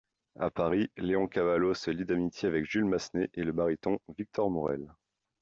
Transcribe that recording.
À Paris, Leoncavallo se lie d'amitié avec Jules Massenet et le baryton Victor Maurel.